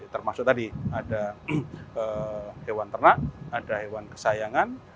termasuk tadi ada hewan ternak ada hewan kesayangan